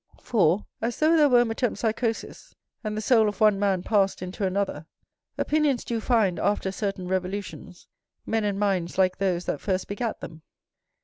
For, as though there were metempsychosis, and the soul of one man passed into another, opinions do find, after certain revolutions, men and minds like those that first begat them.